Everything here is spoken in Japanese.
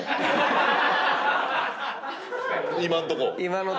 今んとこ。